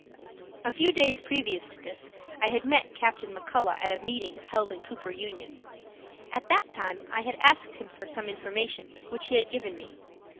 A few days previous to this I had met Captain McCullagh at a meeting held in Cooper Union. At that time I had asked him for some information which he had given me.